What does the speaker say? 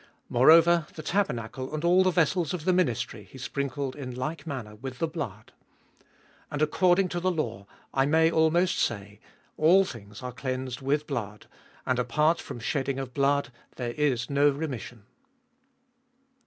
21. Moreover the tabernacle and all the vessels of the ministry he sprinkled In like manner with the blood. 22. And according to the law, I may almost say, all things are cleansed with blood, and apart from shedding of blood there is no remission.